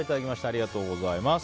ありがとうございます。